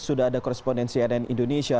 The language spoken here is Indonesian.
sudah ada korespondensi nn indonesia